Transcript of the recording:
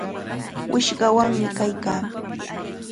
Wishqawanmi kaykaa.